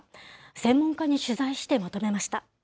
専門家に取材してまとめました。